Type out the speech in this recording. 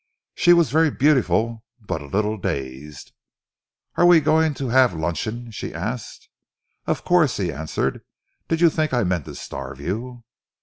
She was very beautiful but a little dazed. "Are we going to have luncheon?" she asked. "Of course," he answered. "Did you think I meant to starve you?"